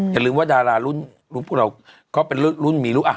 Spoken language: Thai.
อย่าลืมว่าดารารุ่นรูปพวกเราเขาเป็นรุ่นมีลูก